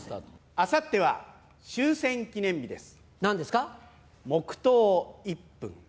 あさっては終戦記念日です。